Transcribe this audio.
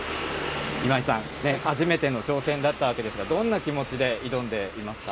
今井さん、初めての挑戦だったわけですが、どんな気持ちで挑んでいますか？